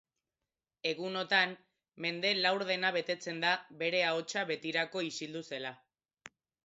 Egunotan, mende laurdena betetzen da bere ahotsa betirako isildu zela.